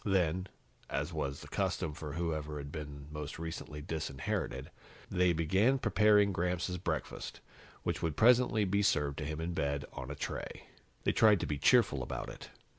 Then, as was the custom for whoever had been most recently disinherited, they began preparing Gramps' breakfast, which would presently be served to him in bed, on a tray. They tried to be cheerful about it.